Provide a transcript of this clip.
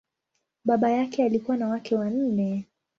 Baba yake alikuwa na wake wanne.